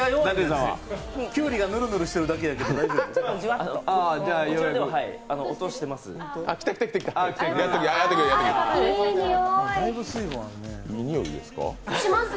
きゅうりがぬるぬるしてるだけやけど、大丈夫？音、してます。